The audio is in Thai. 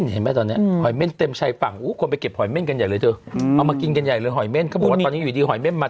หัวหัวหัวหัวหัวหัวหัวหัวหัวหัวหัวหัวหัวหัวหัวหัว